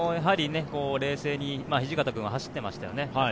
冷静に、土方君は走っていましたよね。